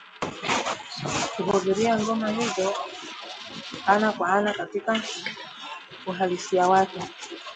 kuhudhuria ngoma hizo ana kwa ana katika uhalisia wake